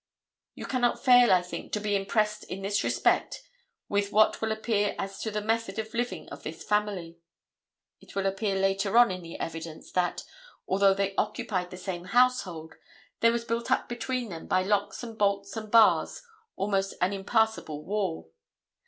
You cannot fail, I think, to be impressed in this respect with what will appear as to the method of living of this family. It will appear later on in the evidence that, although they occupied the same household, there was built up between them by locks and bolts and bars almost an impassable wall.